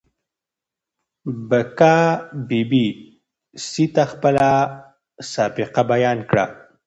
بکا بي بي سي ته خپله سابقه بيان کړه.